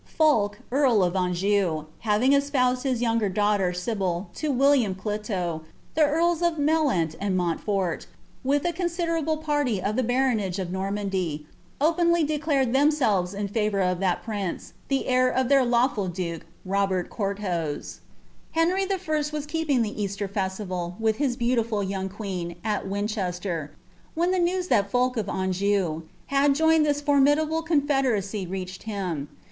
Fulk, earl nf Anjoii, having esponsed hi« youn^ daughter, Sybil, to William Clito, the earls of Mellent and Montfon, wilb a ponsiderable parly of the baronage of Normandy, openly iledand themselves in favour of that prince, the heir of their lawAil duke, Kobai Coiirlhose. Henry 1. was keeping the Easter festiral, with hia be autiful yomif queen, at Winchester, when the news iliat Folk of Anjou had joined thiv fonnidable confederacy reached him.